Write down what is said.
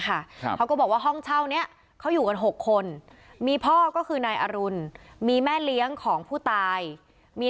สาเหตุพ่อสามีไม่มีดูช่างจริงที่มันมีอีกแต่สามี